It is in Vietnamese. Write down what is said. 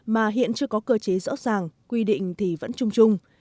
mà hiện chưa có cơ chế rõ ràng quy định thì vẫn chung chung